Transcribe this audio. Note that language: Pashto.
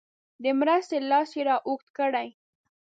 د مرستې لاس را اوږد کړي.